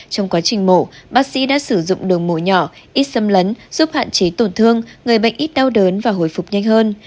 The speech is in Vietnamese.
trong quá trình mổ bác sĩ đã sử dụng đường mồi nhỏ ít xâm lấn giúp hạn chế tổn thương người bệnh ít đau đớn và hồi phục nhanh hơn